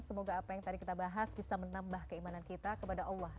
semoga apa yang tadi kita bahas bisa menambah keimanan kita kepada allah